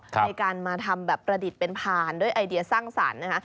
ในการมาทำแบบประดิษฐ์เป็นพานด้วยไอเดียสร้างสรรค์นะคะ